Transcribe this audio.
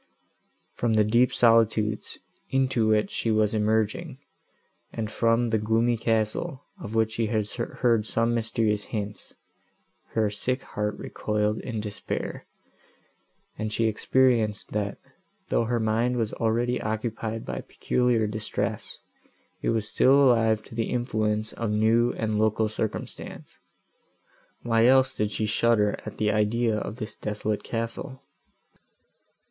From the deep solitudes, into which she was emerging, and from the gloomy castle, of which she had heard some mysterious hints, her sick heart recoiled in despair, and she experienced, that, though her mind was already occupied by peculiar distress, it was still alive to the influence of new and local circumstance; why else did she shudder at the idea of this desolate castle?